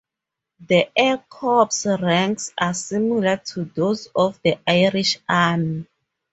The Air Corps' ranks are similar to those of the Irish Army.